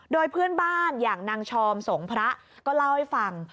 โดยเพื่อนบ้านอย่างนางชอมสงพระก็เล่าให้ฟัง